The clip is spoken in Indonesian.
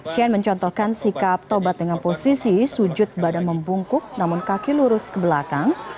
shane mencontohkan sikap tobat dengan posisi sujud badan membungkuk namun kaki lurus ke belakang